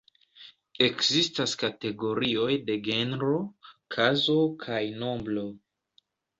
Ekzistas kategorioj de genro, kazo kaj nombro.